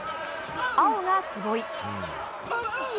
青が坪井。